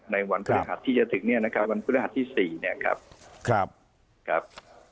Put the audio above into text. วันพฤหัสที่จะถึงเนี่ยนะครับวันพฤหัสที่๔เนี่ยครับ